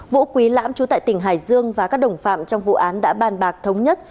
vũ quý lãm chú tại tỉnh hải dương và các đồng phạm trong vụ án đã bàn bạc thống nhất